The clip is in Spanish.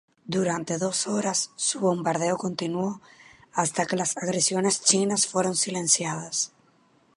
Durante dos horas, su bombardeo continuó hasta que las agresiones chinas fueron silenciadas.